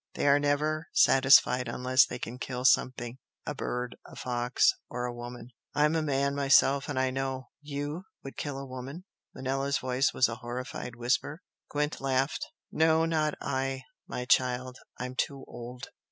They are never satisfied unless they can kill something a bird, a fox or a woman. I'm a man myself and I know!" "YOU would kill a woman?" Manella's voice was a horrified whisper. Gwent laughed. "No, not I, my child! I'm too old.